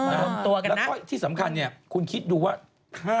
แล้วก็ที่สำคัญเนี่ยคุณคิดดูว่า